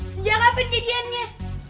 sejak kapan kayak dianya